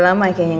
sampai ketemu lagi